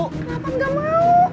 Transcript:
kenapa ga mau